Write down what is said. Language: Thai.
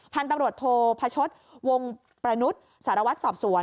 พันธุ์ตำรวจโทพชวงประนุษย์สารวัตรสอบสวน